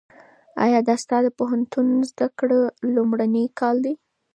ایا دا ستا د پوهنتون د زده کړو لومړنی کال دی؟